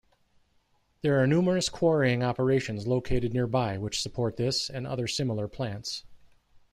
There are numerous quarrying operations located nearby which support this and other similar plants.